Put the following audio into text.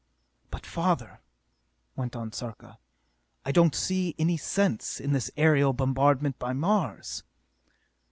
"But father," went on Sarka, "I don't see any sense in this aerial bombardment by Mars!"